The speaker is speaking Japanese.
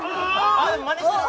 あれまねしてる？